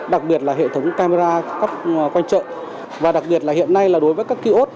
đặc biệt là hệ thống camera cấp quanh trợ và đặc biệt là hiện nay là đối với các ký ốt